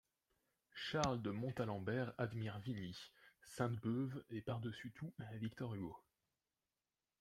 Charles de Montalembert admire Vigny, Sainte-Beuve, et, par-dessus tout, Victor Hugo.